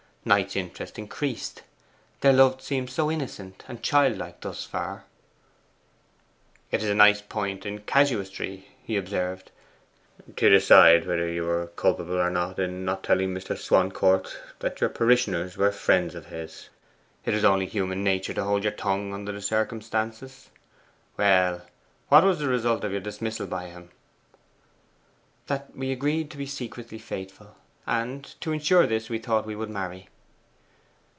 Knight's interest increased. Their love seemed so innocent and childlike thus far. 'It is a nice point in casuistry,' he observed, 'to decide whether you were culpable or not in not telling Swancourt that your friends were parishioners of his. It was only human nature to hold your tongue under the circumstances. Well, what was the result of your dismissal by him?' 'That we agreed to be secretly faithful. And to insure this we thought we would marry.